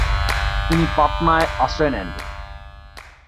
তিনি পাটনায় আশ্রয় নেন।